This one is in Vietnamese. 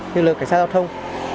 lực lượng cảnh sát giao thông